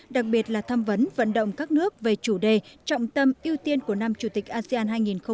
đặc biệt là tham vấn vận động các nước về chủ đề trọng tâm ưu tiên của năm chủ tịch asean hai nghìn hai mươi